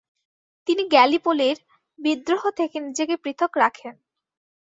তিনি গ্যালিপোলি'র বিদ্রোহ থেকে নিজেকে পৃথক রাখেন।